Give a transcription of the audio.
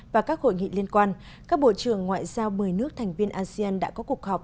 và các hội nghị liên quan các bộ trưởng ngoại giao một mươi nước thành viên asean đã có cuộc họp